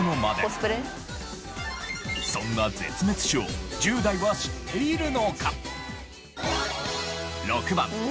そんな絶滅種を１０代は知っているのか？